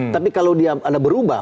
tapi kalau dia berubah